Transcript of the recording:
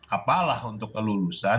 apalah untuk kelulusan